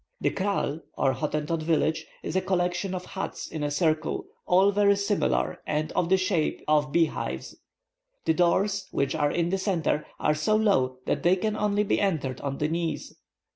The kraal, or Hottentot village, is a collection of huts in a circle, all very similar, and of the shape of beehives. The doors, which are in the centre, are so low that they can only be entered on the knees.